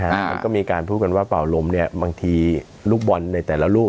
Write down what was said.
มันก็มีการพูดกันว่าเป่าลมเนี่ยบางทีลูกบอลในแต่ละลูก